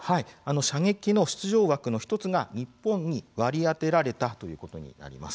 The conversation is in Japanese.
射撃の出場枠の１つが日本に割り当てられたということなんです。